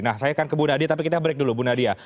nah saya akan ke bu nadia tapi kita break dulu bu nadia